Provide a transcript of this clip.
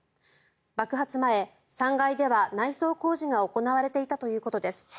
爆発前、３階では内装工事が行われていたということです。